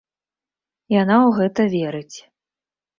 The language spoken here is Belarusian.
Яна ў гэта верыць.